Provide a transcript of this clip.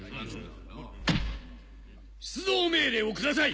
出動命令を下さい！